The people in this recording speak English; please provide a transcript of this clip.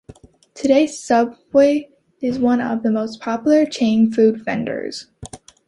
Today, Subway is one of the most popular chain food vendors.